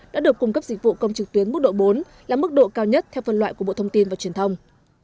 đã được cung cấp dịch vụ công trực tuyến mức độ bốn là mức độ cao nhất theo phần loại của bộ thông tin và truyền thông